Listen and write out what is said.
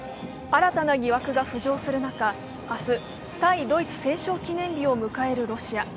新たな疑惑が浮上する中、明日、対ドイツ戦勝記念日を迎えるロシア。